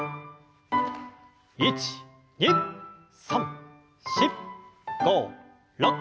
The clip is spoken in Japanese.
１２３４５６。